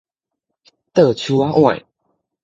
倒手仔 𨂿